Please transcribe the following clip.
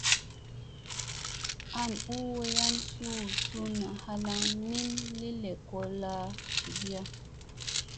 An u wayan suu sunna halaŋ min li lekolla jiviya.